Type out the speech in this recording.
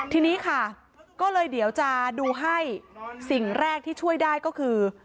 ทีนี้ค่ะก็เลยเดี๋ยวจะดูให้สิ่งแรกที่ช่วยได้ก็คือ